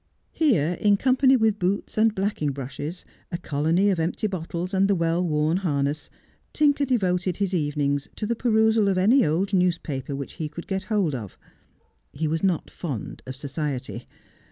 Here, in company with boots and blacking brushes, a colony of empty bottles, and the well worn harness, Tinker devoted his evenings to the perusal of any old newspaper which he could get hold of. He was not fond of society.